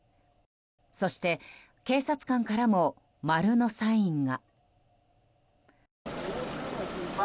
そして、警察官からも丸のサインが。